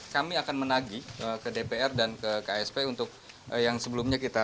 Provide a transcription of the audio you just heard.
kami akan menagi ke dpr dan ke ksp untuk yang sebelumnya kita